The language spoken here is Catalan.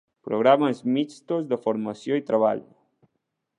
Programes mixtos de formació i treball.